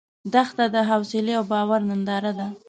دښته د حوصله او باور ننداره ده.